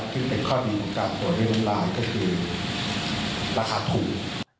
ที่เป็นข้อดีของการปวดเลือดลายก็คือราคาถูก